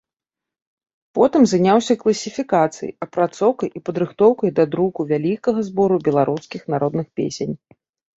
Потым заняўся класіфікацыяй, апрацоўкай і падрыхтоўкай да друку вялікага збору беларускіх народных песень.